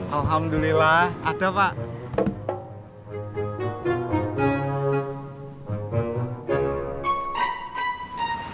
alhamdulillah ada pak